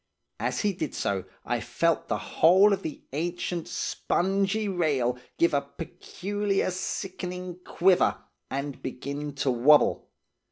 As he did so, I felt the whole of the ancient, spongy rail give a peculiar, sickening quiver, and begin to wobble.